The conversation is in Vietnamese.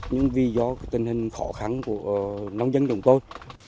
nhưng vì do tình hình khó khăn của nông dân chúng tôi